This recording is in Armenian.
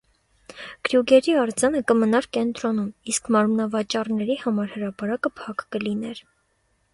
Կրյուգերի արձանը կմնար կենտրոնում, իսկ մանրավաճառների համար հրապարակը փակ կլիներ։